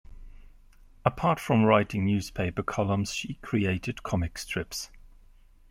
Apart from writing newspaper columns she created comic strips.